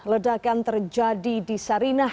ledakan terjadi di sarinah